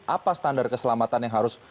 apa standar keselamatan yang harus